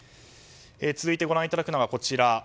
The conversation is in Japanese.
続いて、ご覧いただくのがこちら。